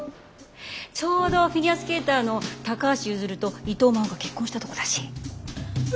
ちょうどフィギュアスケーターの高橋結弦と伊藤真央が結婚したとこだし。